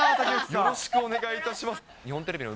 よろしくお願いします。